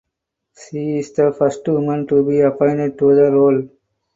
She is the first woman to be appointed to the role.